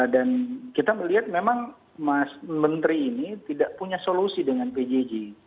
dan kita melihat memang mas menteri ini tidak punya solusi dengan pjj